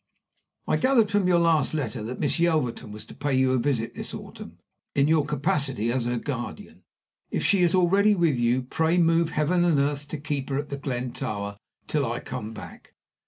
"I gathered from your last letter that Miss Yelverton was to pay you a visit this autumn, in your capacity of her guardian. If she is already with you, pray move heaven and earth to keep her at The Glen Tower till I come back.